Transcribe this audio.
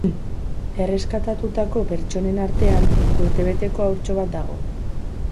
Erreskatatutako pertsonen artean, urtebeteko haurtxo bat dago.